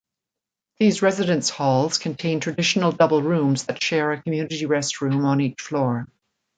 These residence halls contain traditional double-rooms that share a community restroom on each floor.